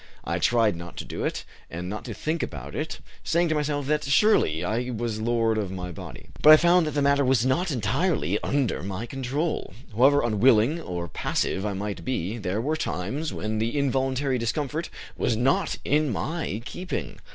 I tried not to do it, and not to think about it, saying to myself that surely I was lord of my body. But I found that the matter was not entirely under my control. However unwilling or passive I might be, there were times when the involuntary discomfort was not in my keeping.